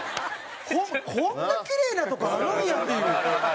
こんなキレイなとこあるんや？っていう。